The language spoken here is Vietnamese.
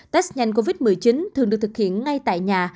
test nhanh covid một mươi chín thường được thực hiện ngay tại nhà